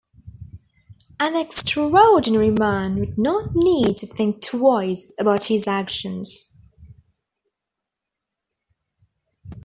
An extraordinary man would not need to think twice about his actions.